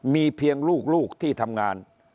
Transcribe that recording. มีเพียงลูกที่ทำงาน